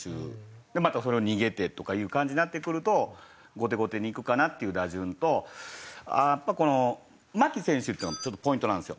でまたそれを逃げてとかいう感じになってくると後手後手にいくかなっていう打順とやっぱりこの牧選手っていうのがちょっとポイントなんですよ。